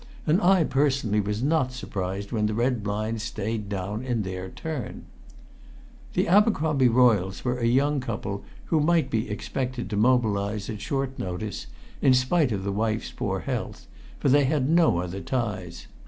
And I personally was not surprised when the red blinds stayed down in their turn. The Abercromby Royles were a young couple who might be expected to mobilise at short notice, in spite of the wife's poor health, for they had no other ties.